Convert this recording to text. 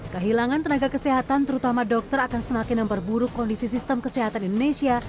kehilangan tenaga kesehatan terutama dokter akan semakin memperburuk kondisi sistem kesehatan indonesia